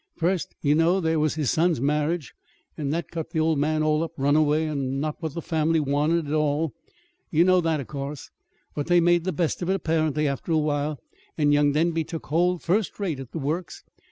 First, ye know, there was his son's marriage. And that cut the old man all up runaway, and not what the family wanted at all. You know that, of course. But they made the best of it, apparently, after a while, and young Denby took hold first rate at the Works.